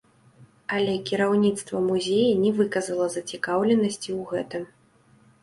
Але кіраўніцтва музея не выказала зацікаўленасці ў гэтым.